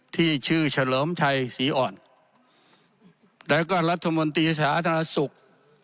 ที่ชื่อเฉลิมชัยศรีอ่อนแล้วก็รัฐมนตรีสาธารณสุข